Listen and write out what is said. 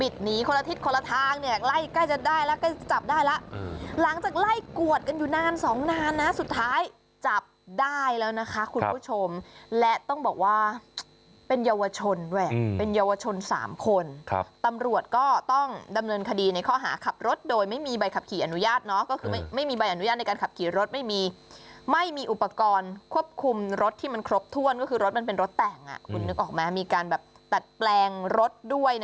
ได้แล้วนะคะคุณผู้ชมและต้องบอกว่าเป็นเยาวชนแหวะเป็นเยาวชนสามคนครับตำรวจก็ต้องดำเนินคดีในข้อหาขับรถโดยไม่มีใบขับขี่อนุญาตเนาะก็คือไม่ไม่มีใบอนุญาตในการขับขี่รถไม่มีไม่มีอุปกรณ์ควบคุมรถที่มันครบถ้วนก็คือรถมันเป็นรถแต่งอ่ะคุณนึกออกไหมมีการแบบตัดแปลงรถด้วย